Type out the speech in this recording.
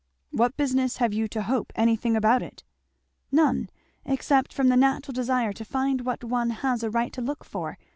"What business have you to 'hope' anything about it?" "None except from the natural desire to find what one has a right to look for.